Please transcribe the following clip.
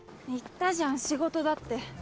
言ったじゃん仕事だって。